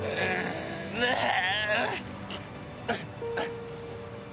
ねえ！